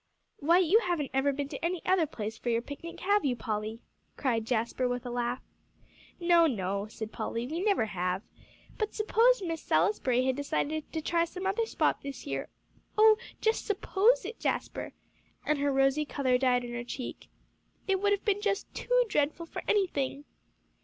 "Why, you haven't ever been to any other place for your picnic, have you, Polly?" cried Jasper, with a laugh. "No," said Polly, "we never have. But suppose Miss Salisbury had decided to try some other spot this year; oh, just suppose it, Jasper!" and her rosy color died down on her cheek. "It would have been just too dreadful for anything."